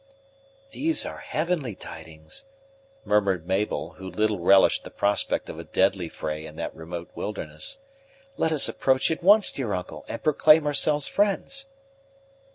"These are heavenly tidings," murmured Mabel, who little relished the prospect of a deadly fray in that remote wilderness. "Let us approach at once, dear uncle, and proclaim ourselves friends."